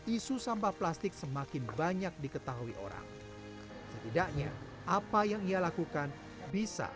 isu sampah plastik semakin banyak diketahui orang setidaknya apa yang ia lakukan bisa